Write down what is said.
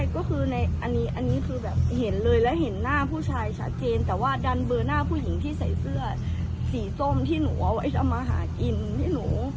ก็คือในอันนี้คือแบบเห็นเลยแล้วเห็นหน้าผู้ชายชัดเจนแต่ว่าดันเบอร์หน้าผู้หญิงที่ใส่เสื้อสีส้มที่หนูเอาไว้ทำมาหากินให้หนู